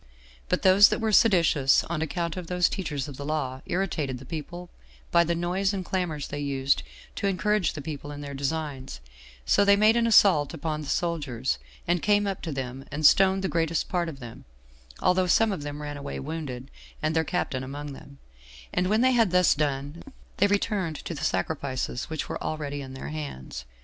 But those that were seditious on account of those teachers of the law, irritated the people by the noise and clamors they used to encourage the people in their designs; so they made an assault upon the soldiers, and came up to them, and stoned the greatest part of them, although some of them ran away wounded, and their captain among them; and when they had thus done, they returned to the sacrifices which were already in their hands.